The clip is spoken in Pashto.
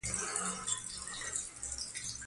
ګڼې یې په جنوري او اپریل کې راځي.